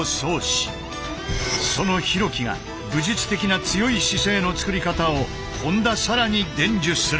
その廣木が武術的な強い姿勢の作り方を本田紗来に伝授する。